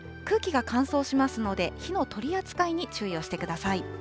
空気が乾燥しますので、火の取り扱いに注意をしてください。